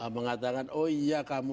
mengatakan oh iya kamu